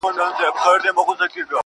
• د زړه له درده درته وايمه دا.